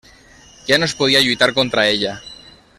Ja no es podia lluitar contra ella.